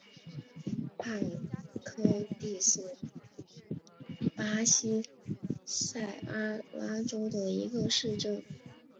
帕科蒂是巴西塞阿拉州的一个市镇。